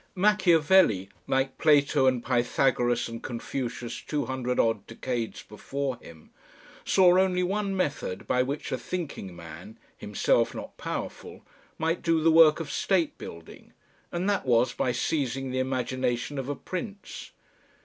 Machiavelli, like Plato and Pythagoras and Confucius two hundred odd decades before him, saw only one method by which a thinking man, himself not powerful, might do the work of state building, and that was by seizing the imagination of a Prince.